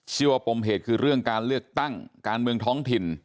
ปมเหตุคือเรื่องการเลือกตั้งการเมืองท้องถิ่น